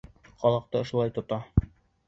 Ҡалаҡты ошолай тота.